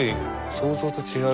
想像と違う。